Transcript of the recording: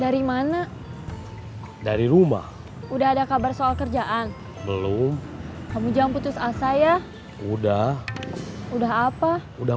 dari mana dari rumah udah ada kabar soal kerjaan belum kamu jangan putus asa ya udah udah apa udah